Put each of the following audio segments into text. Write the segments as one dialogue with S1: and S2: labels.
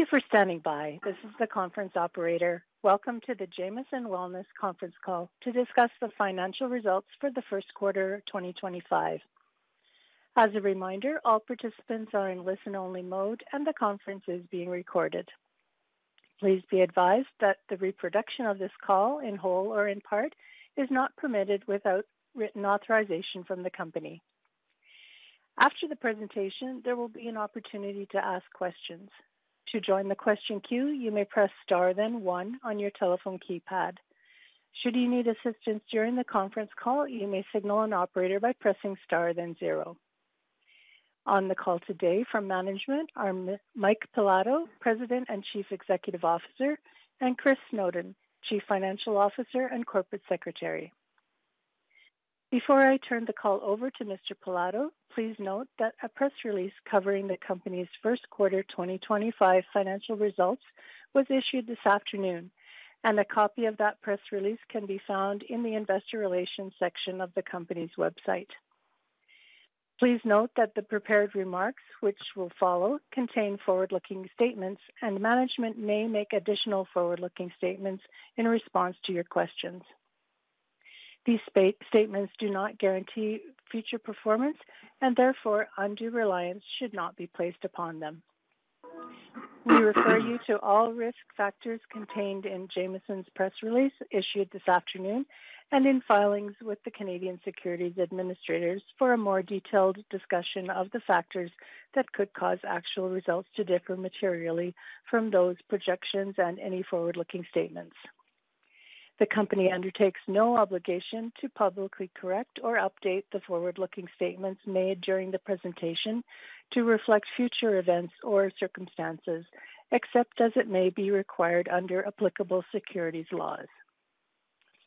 S1: Thank you for standing by. This is the conference operator. Welcome to the Jamieson Wellness Conference Call to discuss the financial results for the first quarter of 2025. As a reminder, all participants are in listen-only mode, and the conference is being recorded. Please be advised that the reproduction of this call, in whole or in part, is not permitted without written authorization from the company. After the presentation, there will be an opportunity to ask questions. To join the question queue, you may press star then one on your telephone keypad. Should you need assistance during the conference call, you may signal an operator by pressing star then zero. On the call today from management are Mike Pilato, President and Chief Executive Officer, and Chris Snowden, Chief Financial Officer and Corporate Secretary. Before I turn the call over to Mr. Please note that a press release covering the company's first quarter 2025 financial results was issued this afternoon, and a copy of that press release can be found in the investor relations section of the company's website. Please note that the prepared remarks, which will follow, contain forward-looking statements, and management may make additional forward-looking statements in response to your questions. These statements do not guarantee future performance, and therefore, undue reliance should not be placed upon them. We refer you to all risk factors contained in Jamieson's press release issued this afternoon and in filings with the Canadian Securities Administrators for a more detailed discussion of the factors that could cause actual results to differ materially from those projections and any forward-looking statements. The company undertakes no obligation to publicly correct or update the forward-looking statements made during the presentation to reflect future events or circumstances, except as it may be required under applicable securities laws.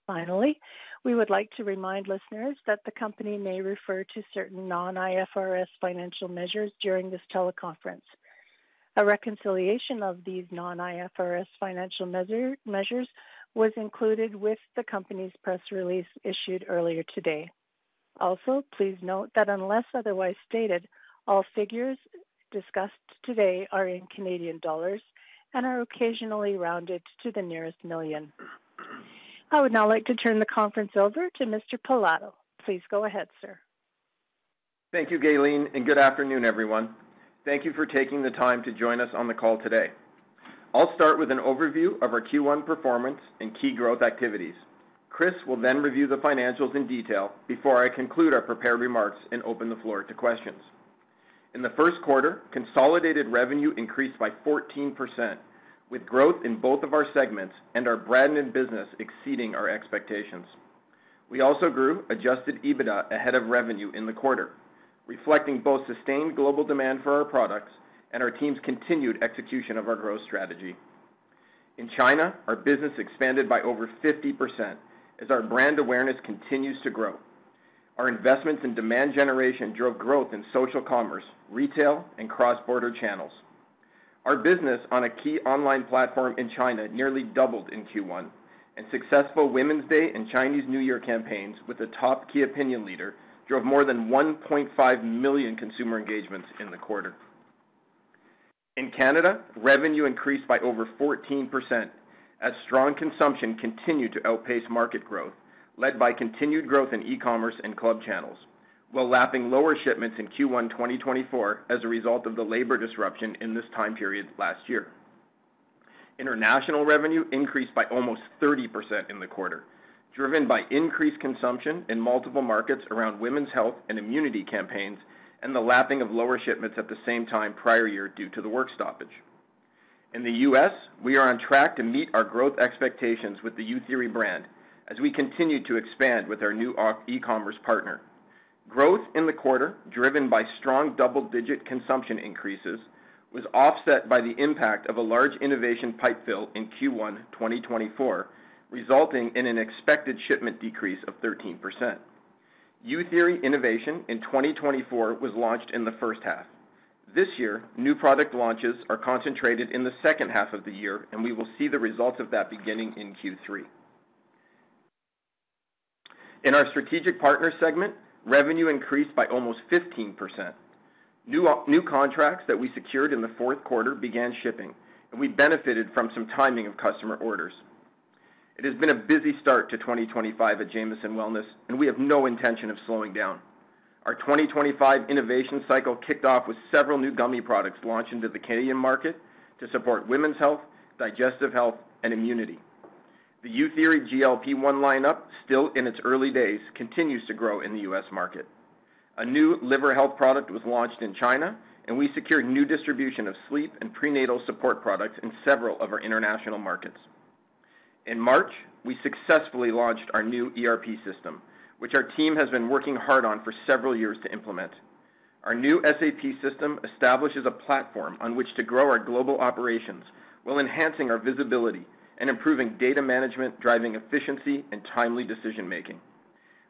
S1: Finally, we would like to remind listeners that the company may refer to certain non-IFRS financial measures during this teleconference. A reconciliation of these non-IFRS financial measures was included with the company's press release issued earlier today. Also, please note that unless otherwise stated, all figures discussed today are in CAD and are occasionally rounded to the nearest million. I would now like to turn the conference over to Mr. Pilato. Please go ahead, sir.
S2: Thank you, Gaylene, and good afternoon, everyone. Thank you for taking the time to join us on the call today. I'll start with an overview of our Q1 performance and key growth activities. Chris will then review the financials in detail before I conclude our prepared remarks and open the floor to questions. In the first quarter, consolidated revenue increased by 14%, with growth in both of our segments and our brand and business exceeding our expectations. We also grew adjusted EBITDA ahead of revenue in the quarter, reflecting both sustained global demand for our products and our team's continued execution of our growth strategy. In China, our business expanded by over 50% as our brand awareness continues to grow. Our investments in demand generation drove growth in social commerce, retail, and cross-border channels. Our business on a key online platform in China nearly doubled in Q1, and successful Women's Day and Chinese New Year campaigns with a top key opinion leader drove more than 1.5 million consumer engagements in the quarter. In Canada, revenue increased by over 14% as strong consumption continued to outpace market growth, led by continued growth in e-commerce and club channels, while lapping lower shipments in Q1 2024 as a result of the labor disruption in this time period last year. International revenue increased by almost 30% in the quarter, driven by increased consumption in multiple markets around women's health and immunity campaigns and the lapping of lower shipments at the same time prior year due to the work stoppage. In the U.S., we are on track to meet our growth expectations with the U Theory brand as we continue to expand with our new e-commerce partner. Growth in the quarter, driven by strong double-digit consumption increases, was offset by the impact of a large innovation pipefill in Q1 2024, resulting in an expected shipment decrease of 13%. U Theory innovation in 2024 was launched in the first half. This year, new product launches are concentrated in the second half of the year, and we will see the results of that beginning in Q3. In our strategic partner segment, revenue increased by almost 15%. New contracts that we secured in the fourth quarter began shipping, and we benefited from some timing of customer orders. It has been a busy start to 2025 at Jamieson Wellness, and we have no intention of slowing down. Our 2025 innovation cycle kicked off with several new gummy products launched into the Canadian market to support women's health, digestive health, and immunity. The U Theory GLP-1 lineup, still in its early days, continues to grow in the U.S. market. A new liver health product was launched in China, and we secured new distribution of sleep and prenatal support products in several of our international markets. In March, we successfully launched our new ERP system, which our team has been working hard on for several years to implement. Our new SAP system establishes a platform on which to grow our global operations while enhancing our visibility and improving data management, driving efficiency and timely decision-making.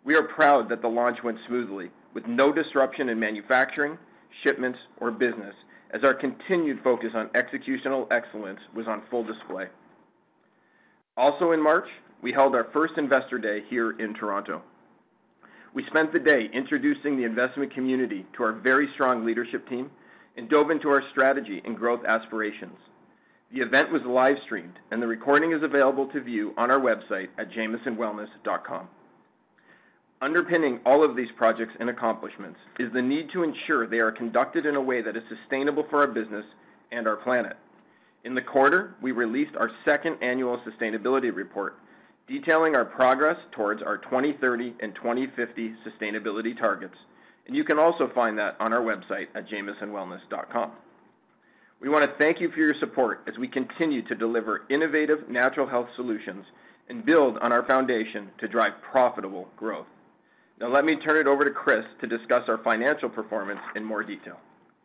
S2: We are proud that the launch went smoothly, with no disruption in manufacturing, shipments, or business, as our continued focus on executional excellence was on full display. Also in March, we held our first investor day here in Toronto. We spent the day introducing the investment community to our very strong leadership team and dove into our strategy and growth aspirations. The event was live-streamed, and the recording is available to view on our website at jamiesonwellness.com. Underpinning all of these projects and accomplishments is the need to ensure they are conducted in a way that is sustainable for our business and our planet. In the quarter, we released our second annual sustainability report detailing our progress towards our 2030 and 2050 sustainability targets, and you can also find that on our website at jamiesonwellness.com. We want to thank you for your support as we continue to deliver innovative natural health solutions and build on our foundation to drive profitable growth. Now, let me turn it over to Chris to discuss our financial performance in more detail.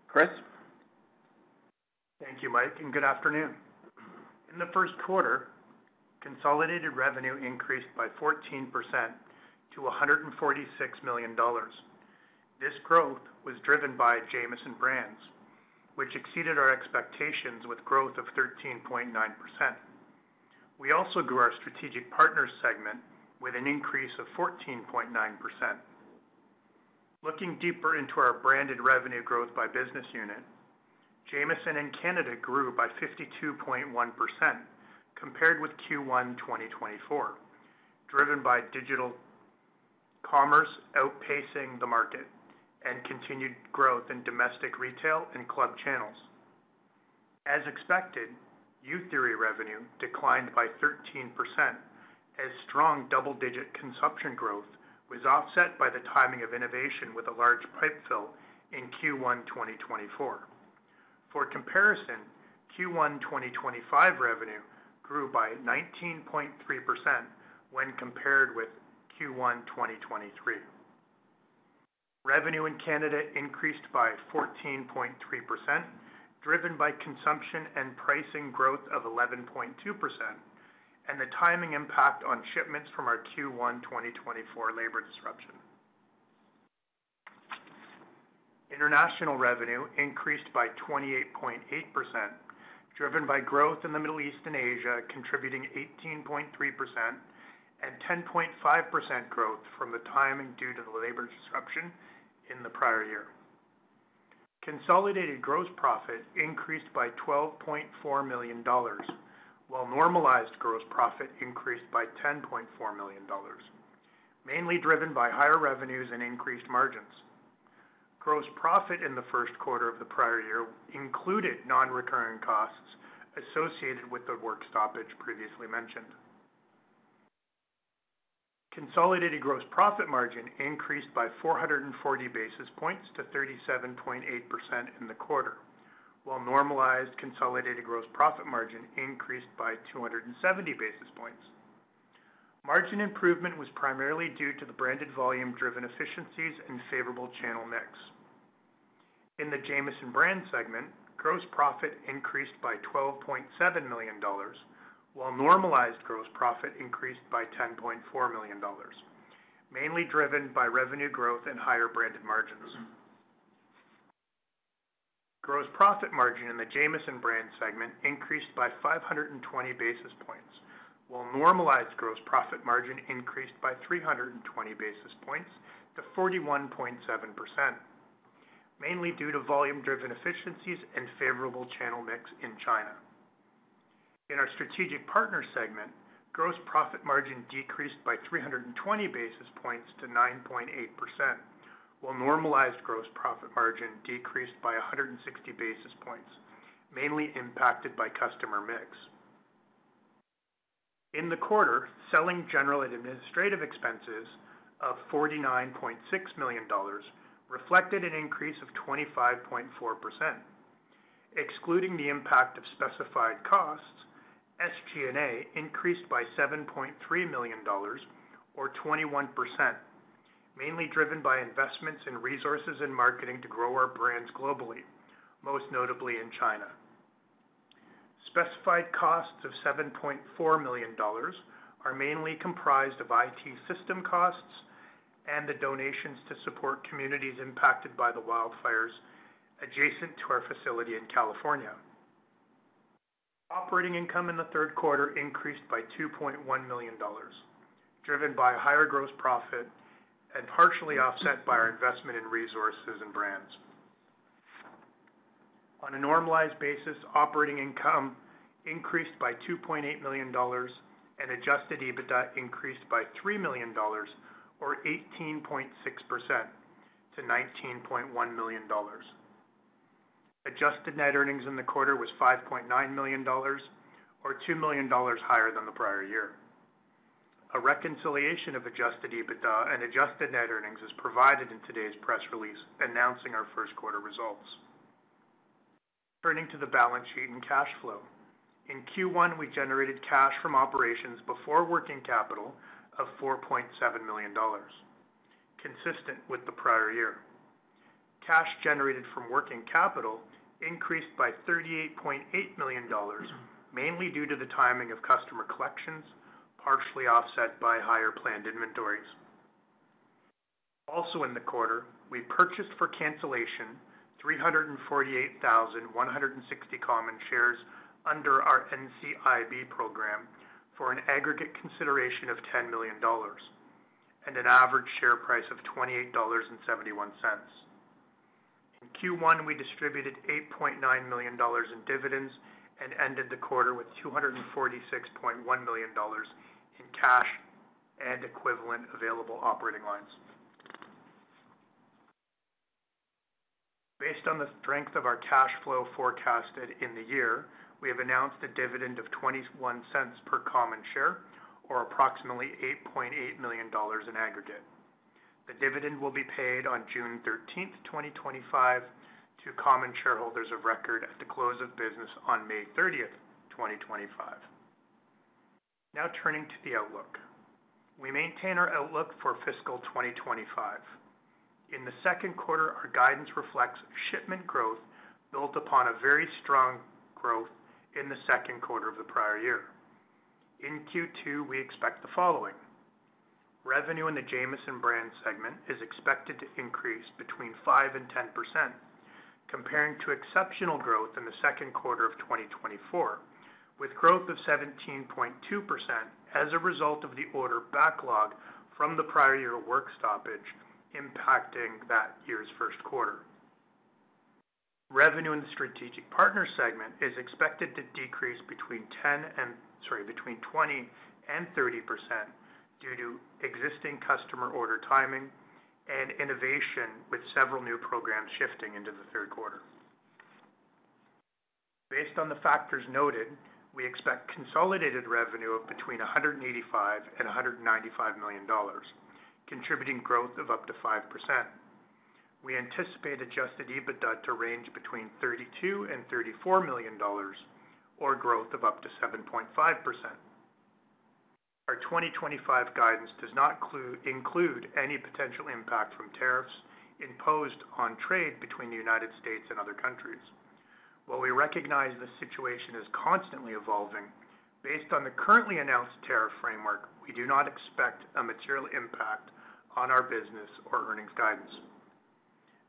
S2: Chris?
S3: Thank you, Mike, and good afternoon. In the first quarter, consolidated revenue increased by 14% to 146 million dollars. This growth was driven by Jamieson brands, which exceeded our expectations with growth of 13.9%. We also grew our strategic partner segment with an increase of 14.9%. Looking deeper into our branded revenue growth by business unit, Jamieson and Canada grew by 52.1% compared with Q1 2024, driven by digital commerce outpacing the market and continued growth in domestic retail and club channels. As expected, U Theory revenue declined by 13% as strong double-digit consumption growth was offset by the timing of innovation with a large pipefill in Q1 2024. For comparison, Q1 2025 revenue grew by 19.3% when compared with Q1 2023. Revenue in Canada increased by 14.3%, driven by consumption and pricing growth of 11.2%, and the timing impact on shipments from our Q1 2024 labor disruption. International revenue increased by 28.8%, driven by growth in the Middle East and Asia contributing 18.3% and 10.5% growth from the timing due to the labor disruption in the prior year. Consolidated gross profit increased by 12.4 million dollars, while normalized gross profit increased by 10.4 million dollars, mainly driven by higher revenues and increased margins. Gross profit in the first quarter of the prior year included non-recurring costs associated with the work stoppage previously mentioned. Consolidated gross profit margin increased by 440 basis points to 37.8% in the quarter, while normalized consolidated gross profit margin increased by 270 basis points. Margin improvement was primarily due to the branded volume-driven efficiencies and favorable channel mix. In the Jamieson Brands segment, gross profit increased by 12.7 million dollars, while normalized gross profit increased by 10.4 million dollars, mainly driven by revenue growth and higher branded margins. Gross profit margin in the Jamieson Brands segment increased by 520 basis points, while normalized gross profit margin increased by 320 basis points to 41.7%, mainly due to volume-driven efficiencies and favorable channel mix in China. In our strategic partner segment, gross profit margin decreased by 320 basis points to 9.8%, while normalized gross profit margin decreased by 160 basis points, mainly impacted by customer mix. In the quarter, selling, general and administrative expenses of 49.6 million dollars reflected an increase of 25.4%. Excluding the impact of specified costs, SG&A increased by 7.3 million dollars, or 21%, mainly driven by investments in resources and marketing to grow our brands globally, most notably in China. Specified costs of 7.4 million dollars are mainly comprised of IT system costs and the donations to support communities impacted by the wildfires adjacent to our facility in California. Operating income in the third quarter increased by 2.1 million dollars, driven by higher gross profit and partially offset by our investment in resources and brands. On a normalized basis, operating income increased by 2.8 million dollars and adjusted EBITDA increased by 3 million dollars, or 18.6%, to 19.1 million dollars. Adjusted net earnings in the quarter was 5.9 million dollars, or 2 million dollars higher than the prior year. A reconciliation of adjusted EBITDA and adjusted net earnings is provided in today's press release announcing our first quarter results. Turning to the balance sheet and cash flow, in Q1, we generated cash from operations before working capital of 4.7 million dollars, consistent with the prior year. Cash generated from working capital increased by 38.8 million dollars, mainly due to the timing of customer collections, partially offset by higher planned inventories. Also in the quarter, we purchased for cancellation 348,160 common shares under our NCIB program for an aggregate consideration of 10 million dollars and an average share price of 28.71 dollars. In Q1, we distributed 8.9 million dollars in dividends and ended the quarter with 246.1 million dollars in cash and equivalent available operating lines. Based on the strength of our cash flow forecasted in the year, we have announced a dividend of 0.21 per common share, or approximately 8.8 million dollars in aggregate. The dividend will be paid on June 13, 2025, to common shareholders of record at the close of business on May 30, 2025. Now turning to the outlook, we maintain our outlook for fiscal 2025. In the second quarter, our guidance reflects shipment growth built upon a very strong growth in the second quarter of the prior year. In Q2, we expect the following. Revenue in the Jamieson Brands segment is expected to increase between 5% and 10%, comparing to exceptional growth in the second quarter of 2024, with growth of 17.2% as a result of the order backlog from the prior year work stoppage impacting that year's first quarter. Revenue in the strategic partner segment is expected to decrease between 20% and 30% due to existing customer order timing and innovation, with several new programs shifting into the third quarter. Based on the factors noted, we expect consolidated revenue of between 185 million-195 million dollars, contributing growth of up to 5%. We anticipate adjusted EBITDA to range between 32 million-34 million dollars, or growth of up to 7.5%. Our 2025 guidance does not include any potential impact from tariffs imposed on trade between the United States and other countries. While we recognize the situation is constantly evolving, based on the currently announced tariff framework, we do not expect a material impact on our business or earnings guidance.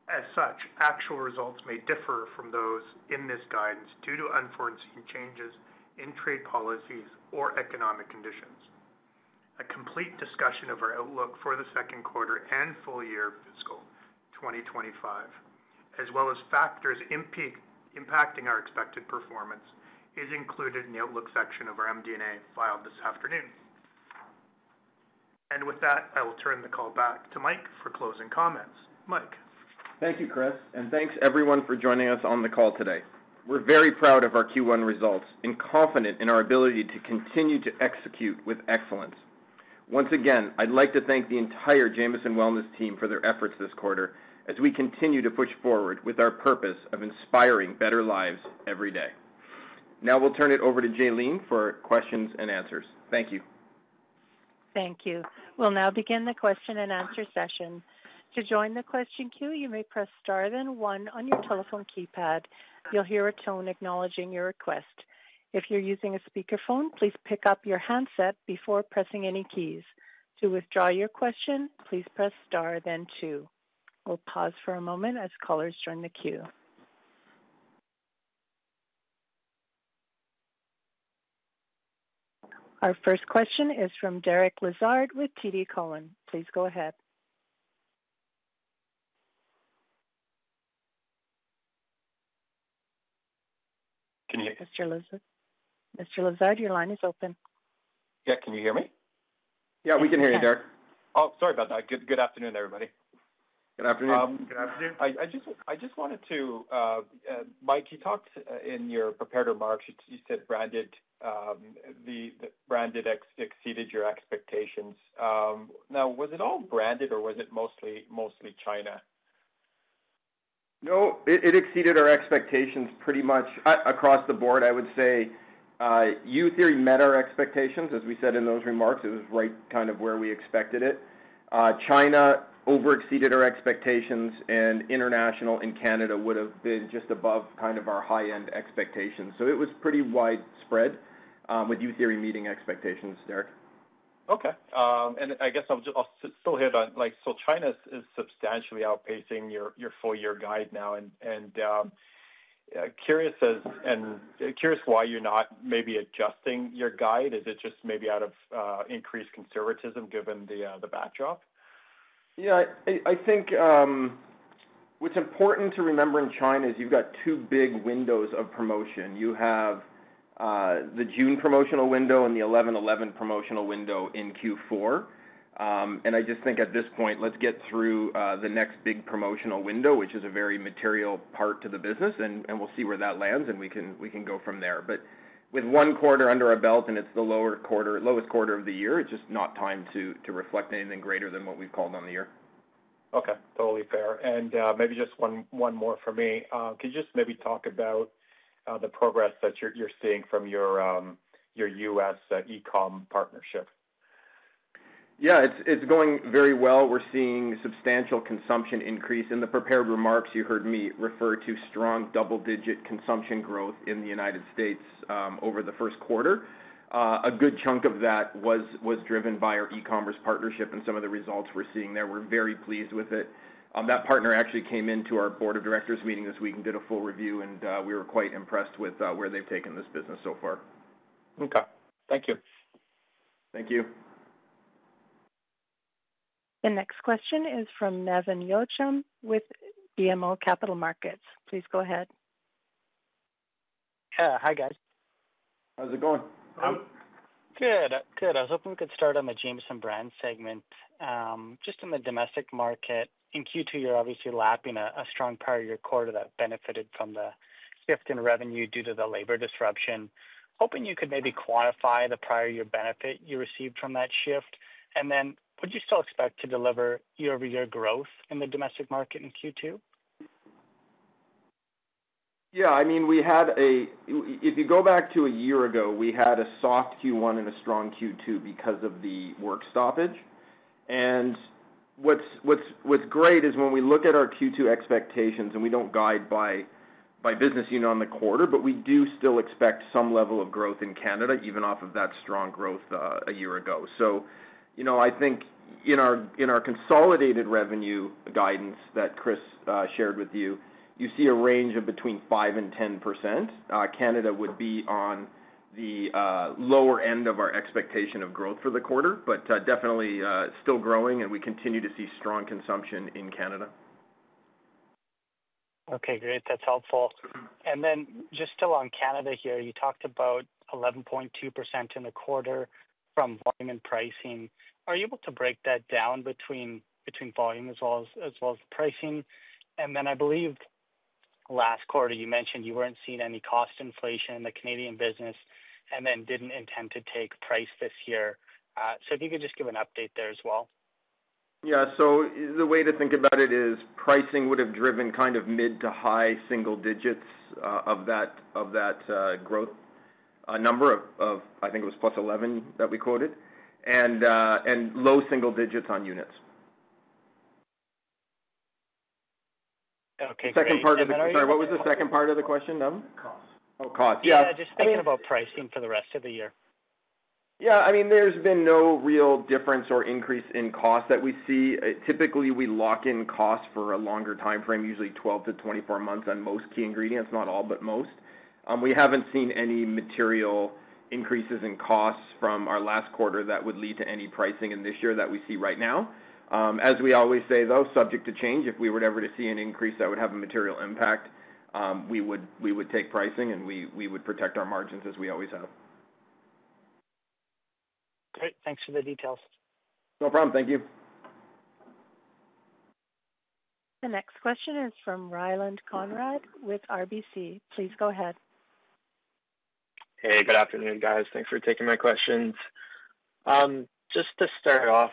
S3: As such, actual results may differ from those in this guidance due to unforeseen changes in trade policies or economic conditions. A complete discussion of our outlook for the second quarter and full year fiscal 2025, as well as factors impacting our expected performance, is included in the outlook section of our MD&A filed this afternoon. With that, I will turn the call back to Mike for closing comments. Mike.
S2: Thank you, Chris, and thanks everyone for joining us on the call today. We're very proud of our Q1 results and confident in our ability to continue to execute with excellence. Once again, I'd like to thank the entire Jamieson Wellness team for their efforts this quarter as we continue to push forward with our purpose of inspiring better lives every day. Now we'll turn it over to Jamieson Wellness for questions and answers. Thank you.
S1: Thank you. We'll now begin the question and answer session. To join the question queue, you may press star then one on your telephone keypad. You'll hear a tone acknowledging your request. If you're using a speakerphone, please pick up your handset before pressing any keys. To withdraw your question, please press star then two. We'll pause for a moment as callers join the queue. Our first question is from Derek Lazard with TD Cowen. Please go ahead.
S4: Can you hear me?
S1: Mr. Lazard, your line is open.
S4: Yeah, can you hear me?
S2: Yeah, we can hear you, Derek.
S4: Oh, sorry about that. Good afternoon, everybody.
S2: Good afternoon.
S3: Good afternoon.
S4: I just wanted to, Mike, you talked in your prepared remarks, you said branded exceeded your expectations. Now, was it all branded or was it mostly China?
S2: No, it exceeded our expectations pretty much across the board. I would say U Theory met our expectations, as we said in those remarks. It was right kind of where we expected it. China overexceeded our expectations, and international in Canada would have been just above kind of our high-end expectations. It was pretty widespread with U Theory meeting expectations, Derek.
S4: Okay. I guess I'll still hit on, so China is substantially outpacing your full year guide now. Curious why you're not maybe adjusting your guide. Is it just maybe out of increased conservatism given the backdrop?
S2: Yeah, I think what's important to remember in China is you've got two big windows of promotion. You have the June promotional window and the 11/11 promotional window in Q4. I just think at this point, let's get through the next big promotional window, which is a very material part to the business, and we'll see where that lands, and we can go from there. With one quarter under our belt and it's the lowest quarter of the year, it's just not time to reflect anything greater than what we've called on the year.
S4: Okay. Totally fair. Maybe just one more for me. Could you just maybe talk about the progress that you're seeing from your U.S. e-comm partnership?
S2: Yeah, it's going very well. We're seeing substantial consumption increase. In the prepared remarks, you heard me refer to strong double-digit consumption growth in the United States over the first quarter. A good chunk of that was driven by our e-commerce partnership and some of the results we're seeing there. We're very pleased with it. That partner actually came into our board of directors meeting this week and did a full review, and we were quite impressed with where they've taken this business so far.
S4: Okay. Thank you.
S2: Thank you.
S1: The next question is from Nevin Yochum with BMO Capital Markets. Please go ahead.
S5: Yeah. Hi, guys.
S2: How's it going?
S5: Good. Good. I was hoping we could start on the Jamieson Brands segment. Just in the domestic market, in Q2, you're obviously lapping a strong prior year quarter that benefited from the shift in revenue due to the labor disruption. Hoping you could maybe quantify the prior year benefit you received from that shift. Would you still expect to deliver year-over-year growth in the domestic market in Q2?
S2: Yeah. I mean, we had a—if you go back to a year ago, we had a soft Q1 and a strong Q2 because of the work stoppage. What's great is when we look at our Q2 expectations, and we do not guide by business unit on the quarter, but we do still expect some level of growth in Canada, even off of that strong growth a year ago. I think in our consolidated revenue guidance that Chris shared with you, you see a range of between 5% and 10%. Canada would be on the lower end of our expectation of growth for the quarter, but definitely still growing, and we continue to see strong consumption in Canada.
S5: Okay. Great. That's helpful. Still on Canada here, you talked about 11.2% in the quarter from volume and pricing. Are you able to break that down between volume as well as pricing? I believe last quarter, you mentioned you were not seeing any cost inflation in the Canadian business and did not intend to take price this year. If you could just give an update there as well.
S2: Yeah. The way to think about it is pricing would have driven kind of mid to high single digits of that growth number of, I think it was plus 11 that we quoted, and low single digits on units.
S5: Okay. Can you hear me?
S2: Second part of the—sorry, what was the second part of the question, Nevin?
S5: Cost.
S2: Oh, cost. Yeah.
S5: Yeah. Just thinking about pricing for the rest of the year.
S2: Yeah. I mean, there's been no real difference or increase in cost that we see. Typically, we lock in costs for a longer timeframe, usually 12-24 months on most key ingredients, not all, but most. We haven't seen any material increases in costs from our last quarter that would lead to any pricing in this year that we see right now. As we always say, though, subject to change, if we were ever to see an increase that would have a material impact, we would take pricing, and we would protect our margins as we always have.
S5: Great. Thanks for the details.
S2: No problem. Thank you.
S1: The next question is from Ryland Conrad with RBC. Please go ahead.
S6: Hey, good afternoon, guys. Thanks for taking my questions. Just to start off,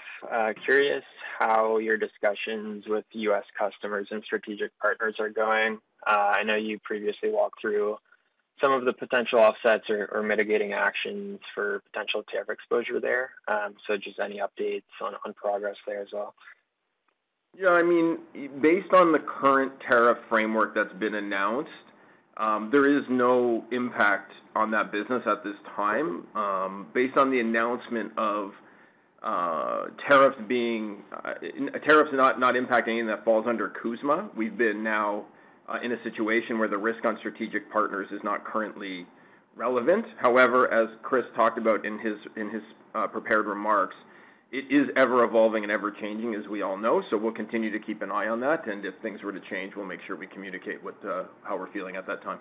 S6: curious how your discussions with U.S. customers and strategic partners are going. I know you previously walked through some of the potential offsets or mitigating actions for potential tariff exposure there. Just any updates on progress there as well?
S2: Yeah. I mean, based on the current tariff framework that's been announced, there is no impact on that business at this time. Based on the announcement of tariffs being—tariffs not impacting anything that falls under Kuzma, we've been now in a situation where the risk on strategic partners is not currently relevant. However, as Chris talked about in his prepared remarks, it is ever-evolving and ever-changing, as we all know. We will continue to keep an eye on that. If things were to change, we will make sure we communicate how we're feeling at that time.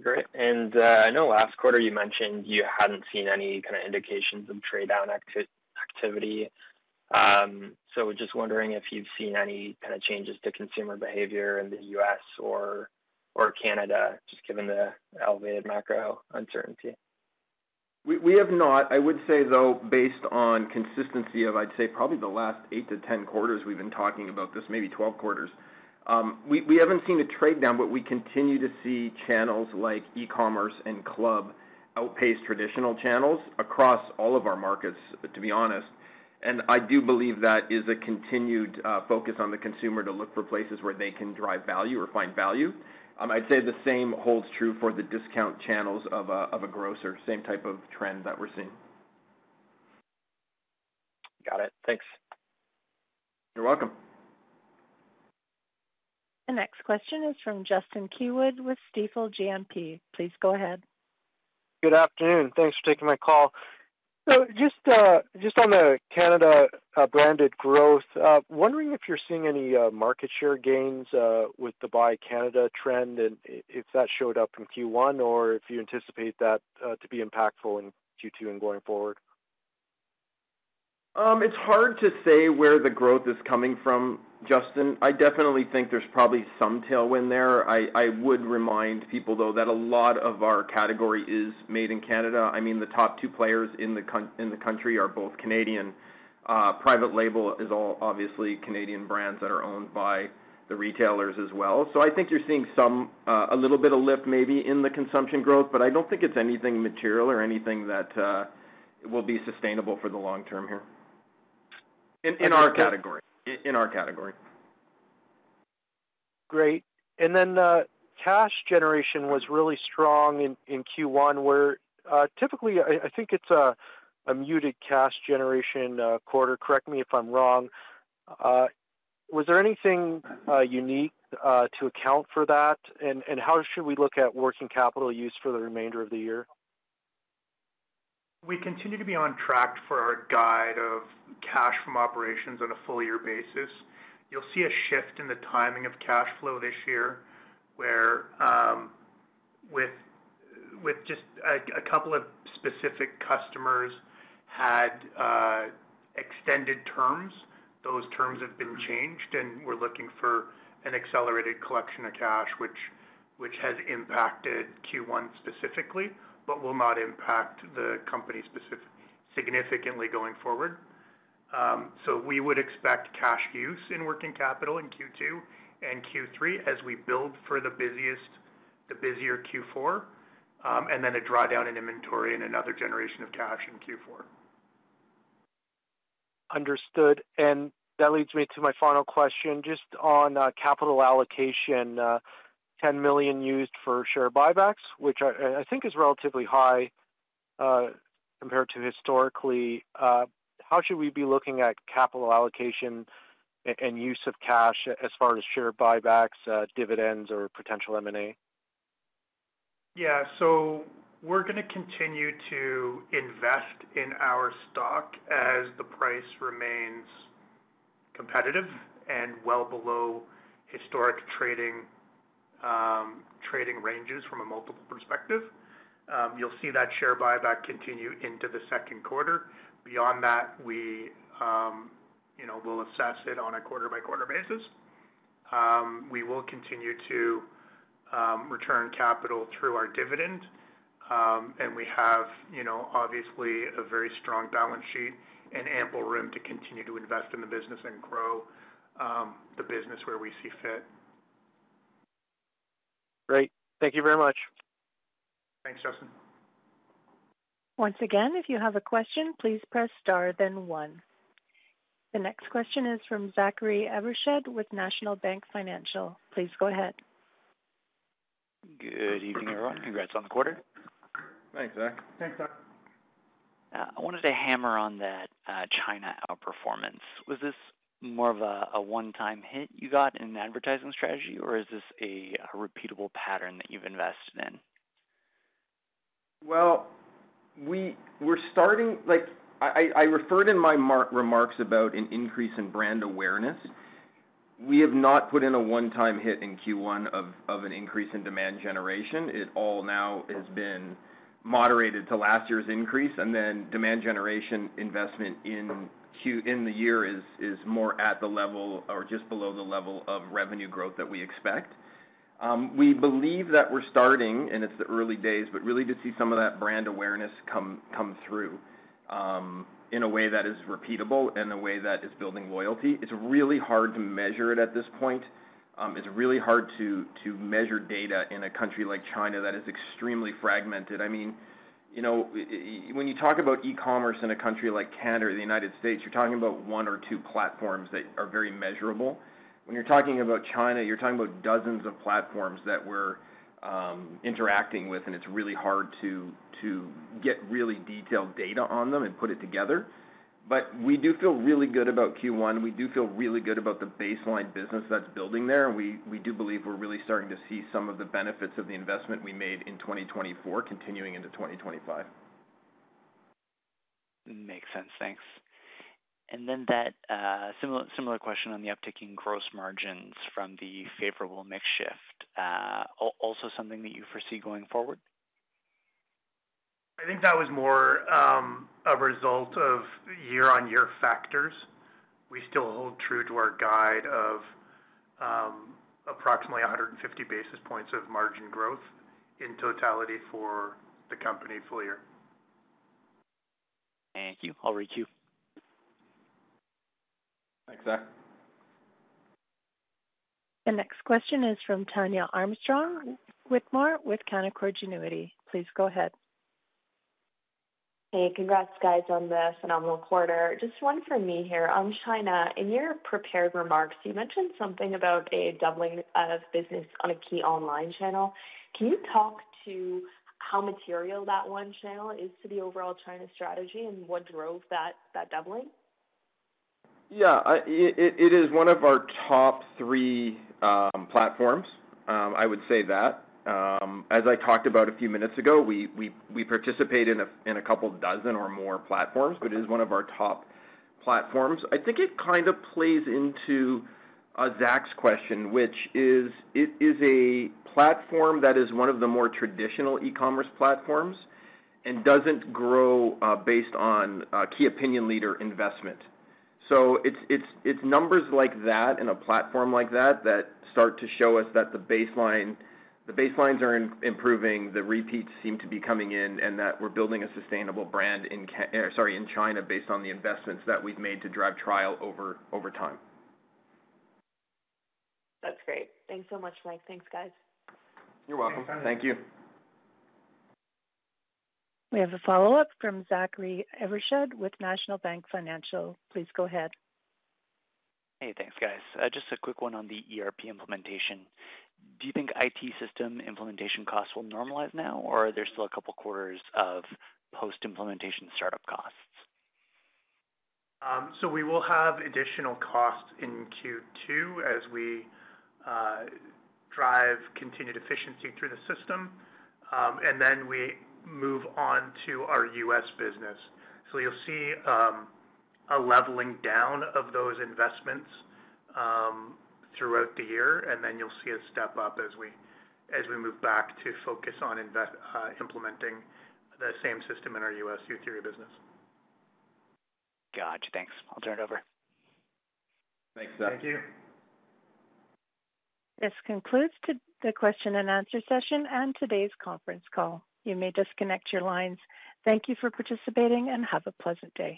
S6: Okay. Great. I know last quarter you mentioned you hadn't seen any kind of indications of trade-down activity. Just wondering if you've seen any kind of changes to consumer behavior in the U.S. or Canada, just given the elevated macro uncertainty.
S2: We have not. I would say, though, based on consistency of, I'd say, probably the last 8-10 quarters, we've been talking about this, maybe 12 quarters, we haven't seen a trade-down, but we continue to see channels like e-commerce and club outpace traditional channels across all of our markets, to be honest. I do believe that is a continued focus on the consumer to look for places where they can drive value or find value. I'd say the same holds true for the discount channels of a grocer, same type of trend that we're seeing.
S6: Got it. Thanks.
S2: You're welcome.
S1: The next question is from Justin Keywood with Stifel GMP. Please go ahead.
S7: Good afternoon. Thanks for taking my call. Just on the Canada branded growth, wondering if you're seeing any market share gains with the buy Canada trend and if that showed up in Q1 or if you anticipate that to be impactful in Q2 and going forward.
S2: It's hard to say where the growth is coming from, Justin. I definitely think there's probably some tailwind there. I would remind people, though, that a lot of our category is made in Canada. I mean, the top two players in the country are both Canadian. Private label is all obviously Canadian brands that are owned by the retailers as well. I think you're seeing a little bit of lift maybe in the consumption growth, but I don't think it's anything material or anything that will be sustainable for the long-term here in our category.
S7: Great. Cash generation was really strong in Q1, where typically, I think it is a muted cash generation quarter. Correct me if I am wrong. Was there anything unique to account for that? How should we look at working capital use for the remainder of the year?
S3: We continue to be on track for our guide of cash from operations on a full year basis. You'll see a shift in the timing of cash flow this year where with just a couple of specific customers had extended terms, those terms have been changed, and we're looking for an accelerated collection of cash, which has impacted Q1 specifically, but will not impact the company significantly going forward. We would expect cash use in working capital in Q2 and Q3 as we build for the busier Q4, and then a drawdown in inventory and another generation of cash in Q4.
S7: Understood. That leads me to my final question. Just on capital allocation, 10 million used for share buybacks, which I think is relatively high compared to historically. How should we be looking at capital allocation and use of cash as far as share buybacks, dividends, or potential M&A?
S3: Yeah. We're going to continue to invest in our stock as the price remains competitive and well below historic trading ranges from a multiple perspective. You'll see that share buyback continue into the second quarter. Beyond that, we will assess it on a quarter-by-quarter basis. We will continue to return capital through our dividend. We have, obviously, a very strong balance sheet and ample room to continue to invest in the business and grow the business where we see fit.
S7: Great. Thank you very much.
S3: Thanks, Justin.
S1: Once again, if you have a question, please press star, then one. The next question is from Zachary Evershed with National Bank Financial. Please go ahead.
S8: Good evening, everyone. Congrats on the quarter.
S2: Thanks, Zack.
S3: Thanks, Zack.
S8: I wanted to hammer on that China outperformance. Was this more of a one-time hit you got in an advertising strategy, or is this a repeatable pattern that you've invested in?
S2: We're starting—I referred in my remarks about an increase in brand awareness. We have not put in a one-time hit in Q1 of an increase in demand generation. It all now has been moderated to last year's increase. Demand generation investment in the year is more at the level or just below the level of revenue growth that we expect. We believe that we're starting, and it's the early days, but really to see some of that brand awareness come through in a way that is repeatable and a way that is building loyalty. It's really hard to measure it at this point. It's really hard to measure data in a country like China that is extremely fragmented. I mean, when you talk about e-commerce in a country like Canada or the United States, you're talking about one or two platforms that are very measurable. When you're talking about China, you're talking about dozens of platforms that we're interacting with, and it's really hard to get really detailed data on them and put it together. We do feel really good about Q1. We do feel really good about the baseline business that's building there. We do believe we're really starting to see some of the benefits of the investment we made in 2024 continuing into 2025.
S8: Makes sense. Thanks. That similar question on the uptick in gross margins from the favorable mix shift, also something that you foresee going forward?
S3: I think that was more a result of year-on-year factors. We still hold true to our guide of approximately 150 basis points of margin growth in totality for the company full year.
S8: Thank you. [I'll read Q].
S3: Thanks, Zack.
S1: The next question is from Tania Armstrong Whitworth with Cannacord Genuity. Please go ahead.
S9: Hey, congrats, guys, on the phenomenal quarter. Just one for me here. On China, in your prepared remarks, you mentioned something about a doubling of business on a key online channel. Can you talk to how material that one channel is to the overall China strategy and what drove that doubling?
S2: Yeah. It is one of our top three platforms. I would say that. As I talked about a few minutes ago, we participate in a couple dozen or more platforms, but it is one of our top platforms. I think it kind of plays into Zack's question, which is it is a platform that is one of the more traditional e-commerce platforms and does not grow based on key opinion leader investment. It is numbers like that and a platform like that that start to show us that the baselines are improving, the repeats seem to be coming in, and that we are building a sustainable brand in China based on the investments that we have made to drive trial over time.
S9: That's great. Thanks so much, Mike. Thanks, guys.
S3: You're welcome. Thank you.
S1: We have a follow-up from Zachary Evershed with National Bank Financial. Please go ahead.
S8: Hey, thanks, guys. Just a quick one on the ERP implementation. Do you think IT system implementation costs will normalize now, or are there still a couple quarters of post-implementation startup costs?
S3: We will have additional costs in Q2 as we drive continued efficiency through the system, and then we move on to our U.S. business. You'll see a leveling down of those investments throughout the year, and then you'll see a step up as we move back to focus on implementing the same system in our U.S. utility business.
S8: Gotcha. Thanks. I'll turn it over.
S2: Thanks, Zack.
S3: Thank you.
S1: This concludes the question and answer session and today's conference call. You may disconnect your lines. Thank you for participating and have a pleasant day.